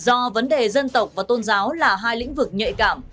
do vấn đề dân tộc và tôn giáo là hai lĩnh vực nhạy cảm